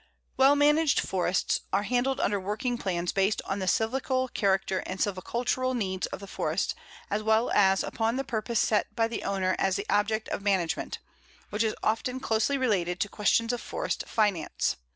Well managed forests are handled under working plans based on the silvical character and silvicultural needs of the forest, as well as upon the purpose set by the owner as the object of management, which is often closely related to questions of forest finance.